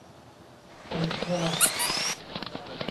มีค่า